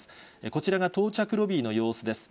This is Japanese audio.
こちらが到着ロビーの様子です。